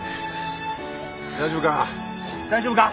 大丈夫か？